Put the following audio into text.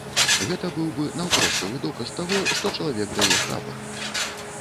Гэта быў бы наўпроставы доказ таго, што чалавек дае хабар.